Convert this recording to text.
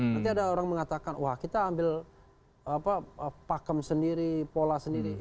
nanti ada orang mengatakan wah kita ambil pakem sendiri pola sendiri